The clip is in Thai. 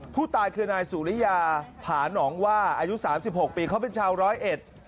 ผู้ตายคือนายสุริยาผาหนองว่าอายุสามสิบหกปีเขาเป็นชาวร้อยเอ็ด